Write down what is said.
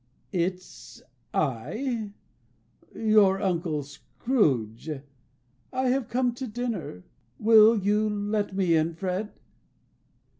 "It's I. Your uncle Scrooge. I have come to dinner. Will you let me in, Fred?"